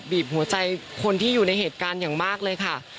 บีบหัวใจคนที่อยู่ในเหตุการณ์อย่างมากเลยค่ะ